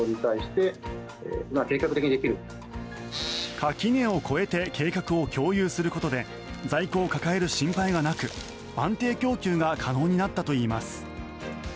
垣根を越えて計画を共有することで在庫を抱える心配がなく安定供給が可能になったといいます。